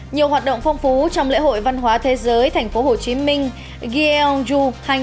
nhiều hoạt động phong phú trong lễ hội văn hóa thế giới tp hcm gieo ju hai nghìn một mươi bảy